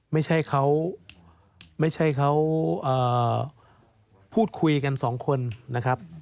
ไม่ใช่เขาพูดคุยกันสองคนนะครับ